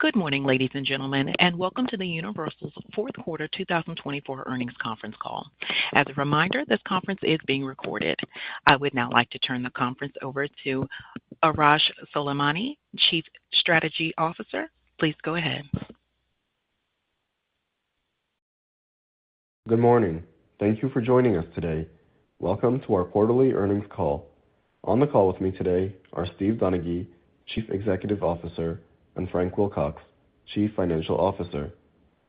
Good morning, ladies and gentlemen, and welcome to Universal's Fourth Quarter 2024 Earnings Conference Call. As a reminder, this conference is being recorded. I would now like to turn the conference over to Arash Soleimani, Chief Strategy Officer. Please go ahead. Good morning. Thank you for joining us today. Welcome to our Quarterly Earnings Call. On the call with me today are Steve Donaghy, Chief Executive Officer, and Frank Wilcox, Chief Financial Officer.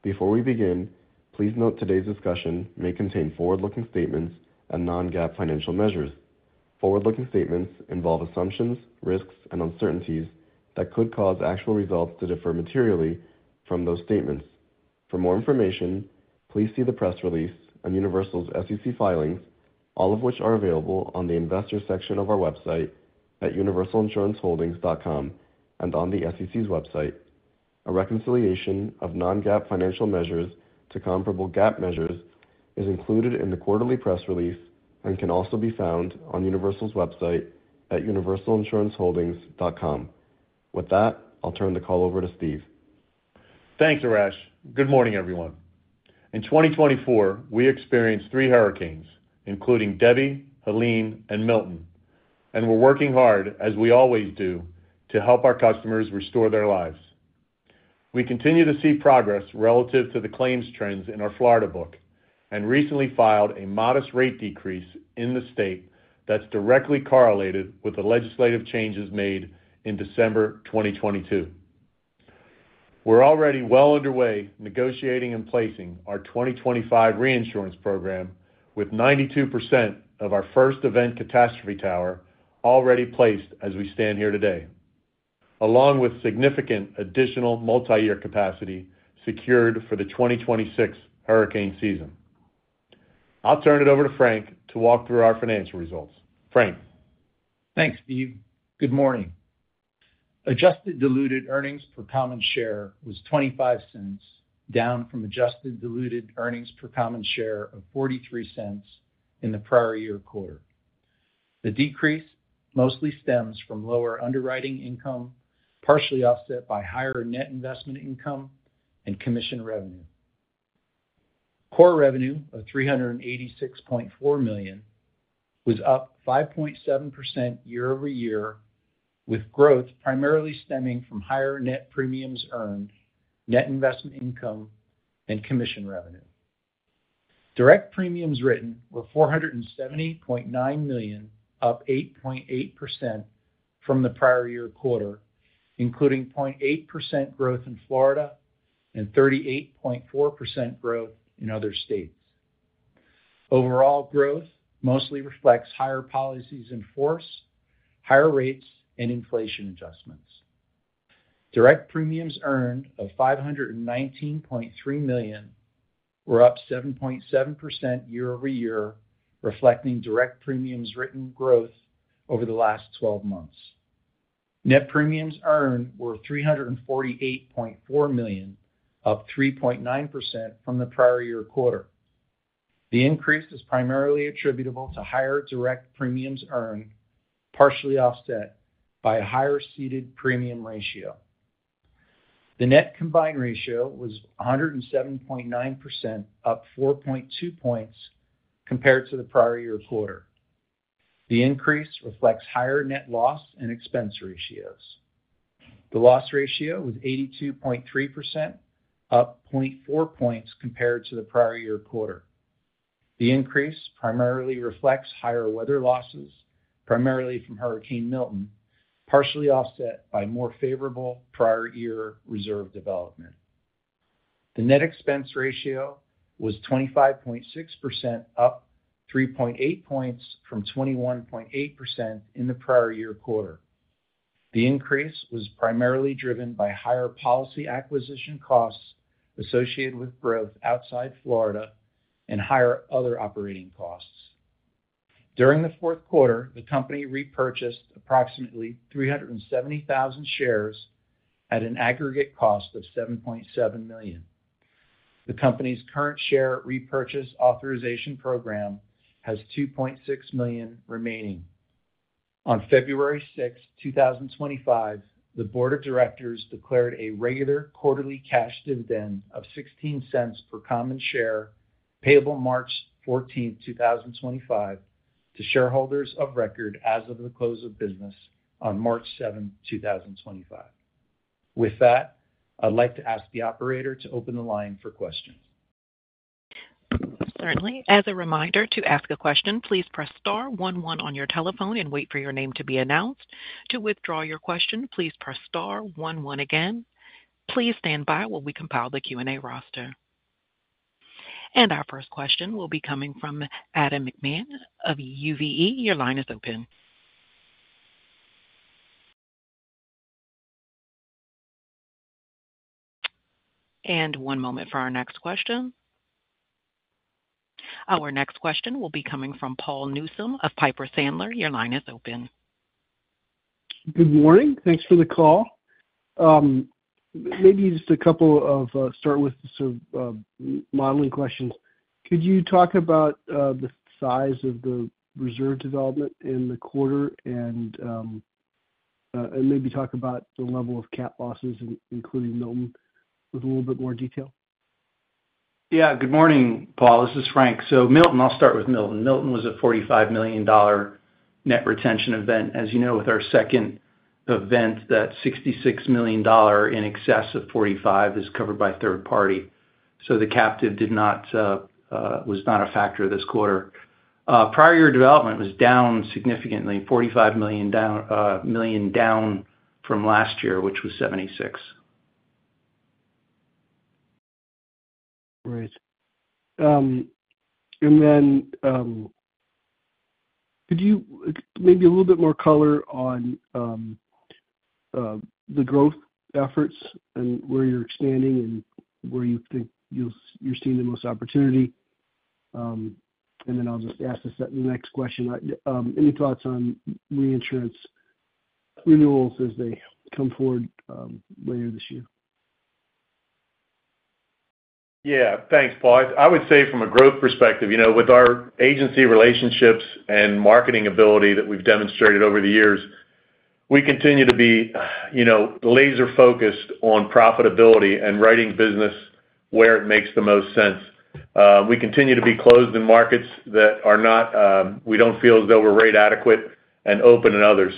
Before we begin, please note today's discussion may contain forward-looking statements and non-GAAP financial measures. Forward-looking statements involve assumptions, risks, and uncertainties that could cause actual results to differ materially from those statements. For more information, please see the press release and Universal's SEC filings, all of which are available on the investor section of our website at universalinsuranceholdings.com and on the SEC's website. A reconciliation of non-GAAP financial measures to comparable GAAP measures is included in the quarterly press release and can also be found on Universal's website at universalinsuranceholdings.com. With that, I'll turn the call over to Steve. Thanks, Arash. Good morning, everyone. In 2024, we experienced three hurricanes, including Debby, Helene, and Milton, and we're working hard, as we always do, to help our customers restore their lives. We continue to see progress relative to the claims trends in our Florida book and recently filed a modest rate decrease in the state that's directly correlated with the legislative changes made in December 2022. We're already well underway negotiating and placing our 2025 reinsurance program with 92% of our first event catastrophe tower already placed as we stand here today, along with significant additional multi-year capacity secured for the 2026 hurricane season. I'll turn it over to Frank to walk through our financial results. Frank. Thanks, Steve. Good morning. Adjusted diluted earnings per common share was $0.25, down from adjusted diluted earnings per common share of $0.43 in the prior year quarter. The decrease mostly stems from lower underwriting income, partially offset by higher net investment income and commission revenue. Core revenue of $386.4 million was up 5.7% year over year, with growth primarily stemming from higher net premiums earned, net investment income, and commission revenue. Direct premiums written were $470.9 million, up 8.8% from the prior year quarter, including 0.8% growth in Florida and 38.4% growth in other states. Overall growth mostly reflects higher policies in force, higher rates, and inflation adjustments. Direct premiums earned of $519.3 million were up 7.7% year over year, reflecting direct premiums written growth over the last 12 months. Net premiums earned were $348.4 million, up 3.9% from the prior year quarter. The increase is primarily attributable to higher direct premiums earned, partially offset by a higher ceded premium ratio. The net combined ratio was 107.9%, up 4.2 points compared to the prior year quarter. The increase reflects higher net loss and expense ratios. The loss ratio was 82.3%, up 0.4 points compared to the prior year quarter. The increase primarily reflects higher weather losses, primarily from Hurricane Milton, partially offset by more favorable prior year reserve development. The net expense ratio was 25.6%, up 3.8 points from 21.8% in the prior year quarter. The increase was primarily driven by higher policy acquisition costs associated with growth outside Florida and higher other operating costs. During the fourth quarter, the company repurchased approximately 370,000 shares at an aggregate cost of $7.7 million. The company's current share repurchase authorization program has $2.6 million remaining. On February 6, 2025, the Board of Directors declared a regular quarterly cash dividend of $0.16 per common share, payable March 14, 2025, to shareholders of record as of the close of business on March 7, 2025. With that, I'd like to ask the operator to open the line for questions. Certainly. As a reminder to ask a question, please press star one one on your telephone and wait for your name to be announced. To withdraw your question, please press star one one again. Please stand by while we compile the Q&A roster. And our first question will be coming from Adam McMahon of UVE. Your line is open. And one moment for our next question. Our next question will be coming from Paul Newsome of Piper Sandler. Your line is open. Good morning. Thanks for the call. Maybe just a couple to start with sort of modeling questions. Could you talk about the size of the reserve development in the quarter and maybe talk about the level of cat losses, including Milton, with a little bit more detail? Yeah. Good morning, Paul. This is Frank. Milton, I'll start with Milton. Milton was a $45 million net retention event. As you know, with our second event, that $66 million in excess of $45 is covered by third party. The captive was not a factor this quarter. Prior year development was down significantly, $45 million down from last year, which was $76. Right. And then could you maybe a little bit more color on the growth efforts and where you're expanding and where you think you're seeing the most opportunity? And then I'll just ask the next question. Any thoughts on reinsurance renewals as they come forward later this year? Yeah. Thanks, Paul. I would say from a growth perspective, with our agency relationships and marketing ability that we've demonstrated over the years, we continue to be laser-focused on profitability and writing business where it makes the most sense. We continue to be closed in markets that we don't feel as though we're rate adequate and open in others.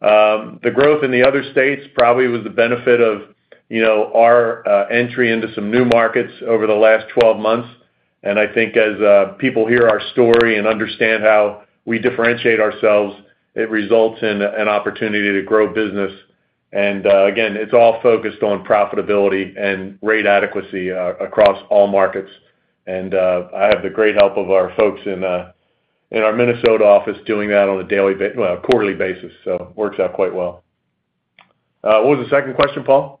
The growth in the other states probably was the benefit of our entry into some new markets over the last 12 months. And I think as people hear our story and understand how we differentiate ourselves, it results in an opportunity to grow business. And again, it's all focused on profitability and rate adequacy across all markets. And I have the great help of our folks in our Minnesota office doing that on a daily quarterly basis. So it works out quite well. What was the second question, Paul?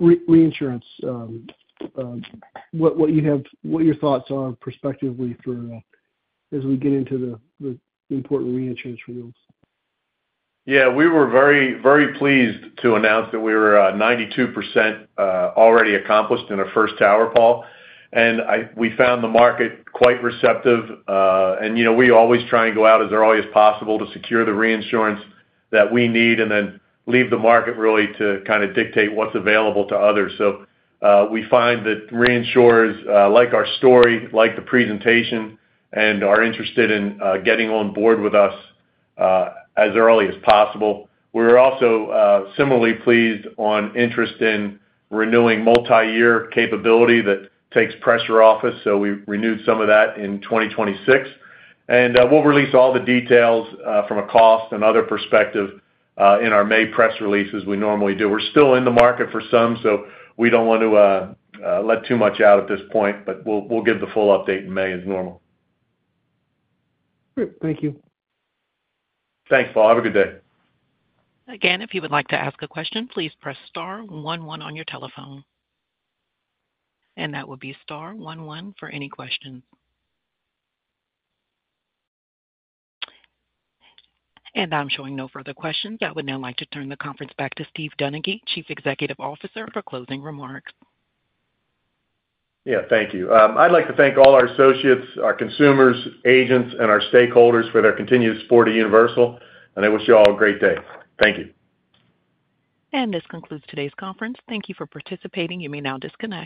Reinsurance. What are your thoughts prospectively for as we get into the important reinsurance renewals? Yeah. We were very pleased to announce that we were 92% already accomplished in our first tower, Paul, and we found the market quite receptive, and we always try and go out as early as possible to secure the reinsurance that we need and then leave the market really to kind of dictate what's available to others, so we find that reinsurers like our story, like the presentation, and are interested in getting on board with us as early as possible. We were also similarly pleased on interest in renewing multi-year capability that takes pressure off us, so we renewed some of that in 2026, and we'll release all the details from a cost and other perspective in our May press release as we normally do. We're still in the market for some, so we don't want to let too much out at this point, but we'll give the full update in May as normal. Great. Thank you. Thanks, Paul. Have a good day. Again, if you would like to ask a question, please press star one one on your telephone. And that would be star one one for any questions. And I'm showing no further questions. I would now like to turn the conference back to Steve Donaghy, Chief Executive Officer, for closing remarks. Yeah. Thank you. I'd like to thank all our associates, our consumers, agents, and our stakeholders for their continued support of Universal. And I wish you all a great day. Thank you. This concludes today's conference. Thank you for participating. You may now disconnect.